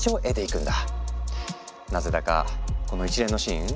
なぜだかこの一連のシーン